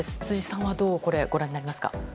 辻さんはどうご覧になりますか？